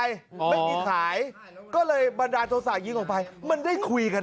ไม่มีขายก็เลยบรรดาโจส่าหญิงออกไปมันได้คุยกันอ๋อ